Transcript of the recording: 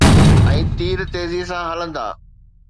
۽ تير تيزيءَ سان هلندا.